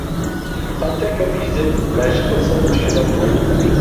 قانچە كۆپ يېزىپ مەشىق قىلسىڭىز پىشىدۇ.